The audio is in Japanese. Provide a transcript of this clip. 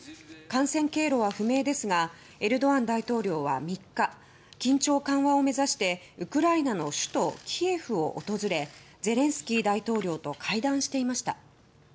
感染経路は不明ですがエルドアン大統領は３日緊張緩和を目指してウクライナの首都キエフを訪れゼレンスキー大統領と会談していました。